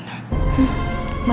ma dia butuhmu